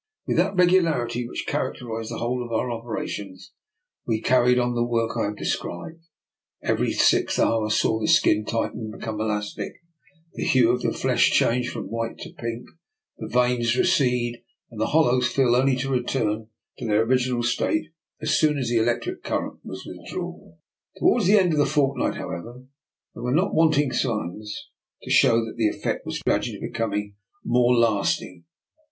With that regularity which char acterized the whole of our operations, we car ried on the work I have described. Every sixth hour saw the skin tighten and become elastic, the hue of the flesh change from white to pink, the veins recede, and the hollows fill only to return to their original state as soon as the electric current was withdrawn. To wards the end of the fortnight, however, there were not wanting signs to show that the ef fect was gradually becoming more lasting.